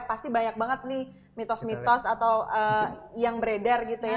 pasti banyak banget nih mitos mitos atau yang beredar gitu ya